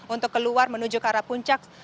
untuk keluar menuju ke arah puncak